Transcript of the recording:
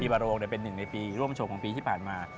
ปีมาโรงเป็น๑ในปีร่วมชงของปีที่ผ่านมา